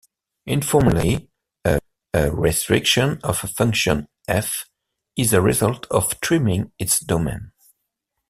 Informally, a "restriction" of a function "f" is the result of trimming its domain.